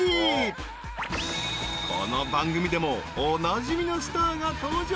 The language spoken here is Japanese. ［この番組でもおなじみのスターが登場］